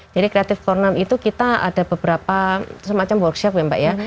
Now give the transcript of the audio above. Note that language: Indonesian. jadi creative corner itu kita ada beberapa semacam workshop ya mbak ya